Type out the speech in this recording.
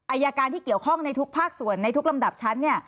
อายการที่เกี่ยวข้องในทุกภาคส่วนในทุกลำดับชั้น